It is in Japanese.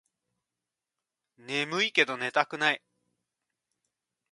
ねむいけど寝たくない